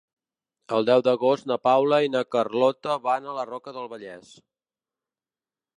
El deu d'agost na Paula i na Carlota van a la Roca del Vallès.